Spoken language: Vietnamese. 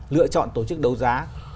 lựa chọn tổ chức đấu giá